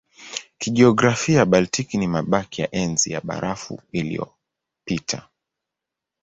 Kijiografia Baltiki ni mabaki ya Enzi ya Barafu iliyopita.